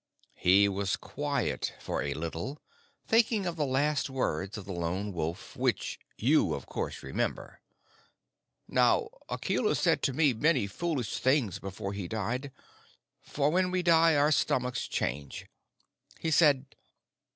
He was quiet for a little, thinking of the last words of the Lone Wolf, which you, of course, remember. "Now Akela said to me many foolish things before he died, for when we die our stomachs change. He said....